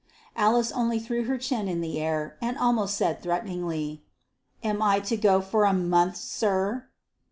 Alice only threw her chin in the air, and said almost threateningly, "Am I to go for the month, sir?"